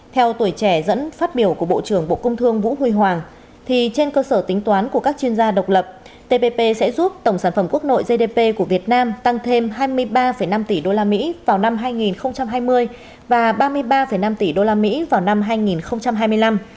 theo tuổi trẻ dẫn phát biểu của bộ trưởng bộ công thương vũ huy hoàng thì trên cơ sở tính toán của các chuyên gia độc lập tpp sẽ giúp tổng sản phẩm quốc nội gdp của việt nam tăng thêm hai mươi ba năm tỷ usd vào năm hai nghìn hai mươi và ba mươi ba năm tỷ usd vào năm hai nghìn hai mươi năm